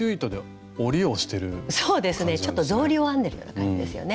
ちょっと草履を編んでるような感じですよね。